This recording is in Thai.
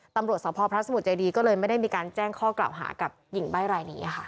ตำรวจสพพระสมุทรเจดีก็เลยไม่ได้มีการแจ้งข้อกล่าวหากับหญิงใบ้รายนี้ค่ะ